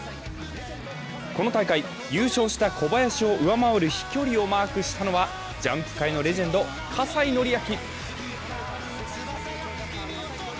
この大会、優勝した小林を上回る飛距離をマークしたのはジャンプ界のレジェンド・葛西紀明。